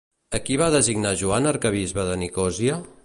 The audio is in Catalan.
A qui va designar Joan arquebisbe de Nicòsia?